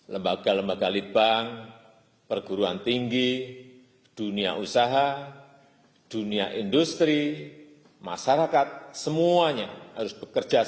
lembaga lembaga litbang perguruan tinggi dunia usaha dunia industri masyarakat semuanya harus bekerja sama